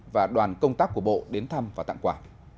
và đoàn công tác của bộ đến thăm và tặng quà